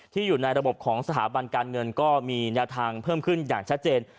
อยู่ในระบบของสถาบันการเงินก็มีแนวทางเพิ่มขึ้นอย่างชัดเจน